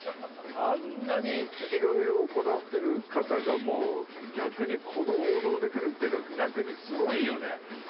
あんなに色々こだわってる方がもう逆にこの王道でくるってのが逆にすごいよね